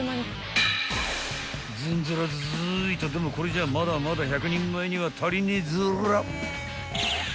［ずんずらずいとでもこれじゃまだまだ１００人前には足りねえずら］